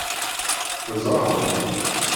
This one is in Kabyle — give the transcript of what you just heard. Teẓṛamt?